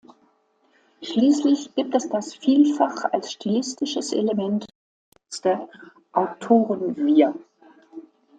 Schließlich gibt es das vielfach als stilistisches Element eingesetzte Autoren-"Wir".